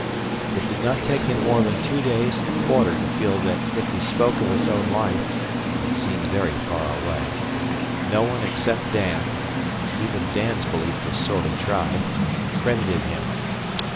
It did not take him more than two days and a quarter to feel that if he spoke of his own life it seemed very far away no one except Dan (and even Dan's belief was sorely tried) credited him.